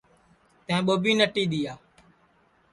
تیں ٻوبی نٹی دؔیا